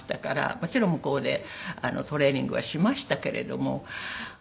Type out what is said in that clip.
もちろん向こうでトレーニングはしましたけれども。